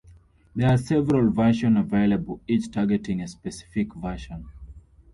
There are several version available each targeting a specific version.